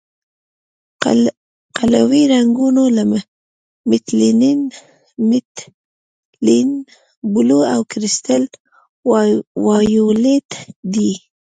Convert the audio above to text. قلوي رنګونه لکه میتیلین بلو او کرسټل وایولېټ دي.